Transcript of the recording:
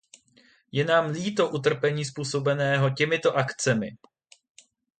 Je nám líto utrpení způsobeného těmito akcemi.